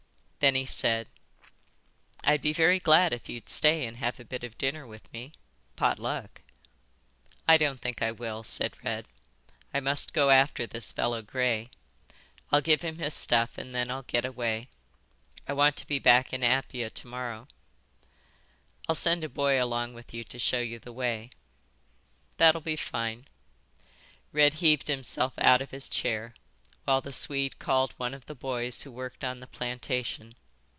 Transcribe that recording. Then he said: "I'd be very glad if you'd stay and have a bit of dinner with me. Pot luck." "I don't think I will," said Red. "I must go after this fellow Gray. I'll give him his stuff and then I'll get away. I want to be back in Apia to morrow." "I'll send a boy along with you to show you the way." "That'll be fine." Red heaved himself out of his chair, while the Swede called one of the boys who worked on the plantation.